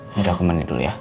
ini aku mandi dulu ya